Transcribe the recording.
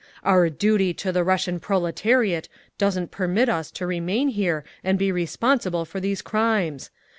"Our duty to the Russian proletariat doesn't permit us to remain here and be responsible for these crimes.